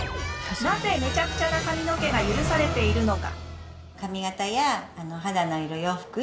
なぜめちゃくちゃな髪の毛が許されているのか？